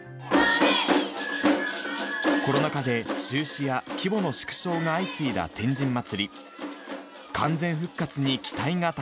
コロナ禍で中止や規模の縮小が相次いだ天神祭。